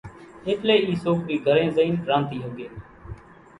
ايٽلي اِي سوڪري گھرين زئين رانڌي ۿڳي